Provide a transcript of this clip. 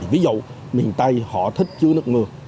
ví dụ miền tây họ thích chứa nước mưa